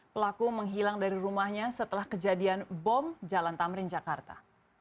pelaku menghilang dari rumahnya setelah kejadian bom jalan tamrin jakarta